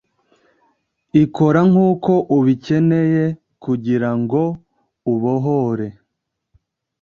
ikora nkuko ubikeneye kugirango ubohore